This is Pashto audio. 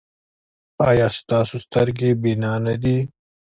ایا ستاسو سترګې بینا نه دي؟